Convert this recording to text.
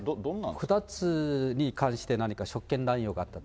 ２つに関して、何か職権乱用があったと。